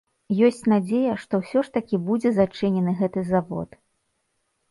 Ёсць надзея, што ўсё ж такі будзе зачынены гэты завод.